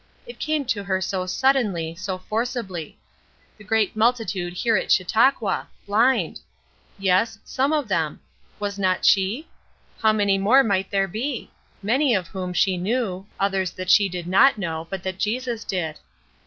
It came to her so suddenly, so forcibly. The great multitude here at Chautauqua blind. Yes, some of them. Was not she? How many more might there be? Many of whom she knew, others that she did not know, but that Jesus did.